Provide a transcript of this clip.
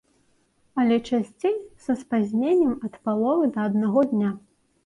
Але часцей са спазненнем ад паловы да аднаго дня.